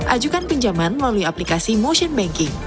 ajukan pinjaman melalui aplikasi motion banking